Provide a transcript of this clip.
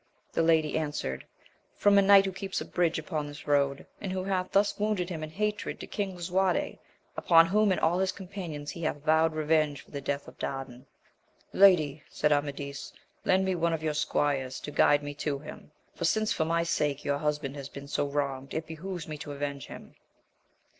The lady answered, From a knight who keeps a bridge upon this road, and who hath thus wounded him in hatred to King Lisuarte, upon whom and all his companions he hath vowed revenge for the death of Dardan. Lady, said Amadis, lend me one of your squires, to guide me to him, for since for my sake your husband has been so wronged, it behoves me to avenge him.